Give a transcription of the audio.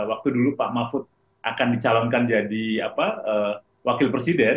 waktu dulu pak mahfud akan dicalonkan jadi wakil presiden